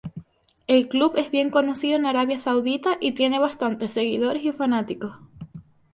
El club es bien conocido en Arabia Saudita y tiene bastantes seguidores y fanáticos.